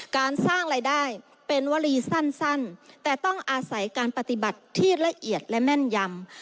การสร้างรายได้เป็นวลีสั้นแต่ต้องอาศัยการปฏิบัติที่ละเอียดและแม่นยำ